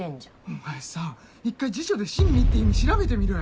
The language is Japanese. お前さ一回辞書で「親身」って意味調べてみろや。